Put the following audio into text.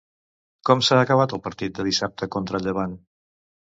Com s'ha acabat el partit de dissabte contra el Llevant?